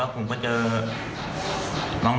กำลังปากแป้งอยู่แล้วผมก็เจอ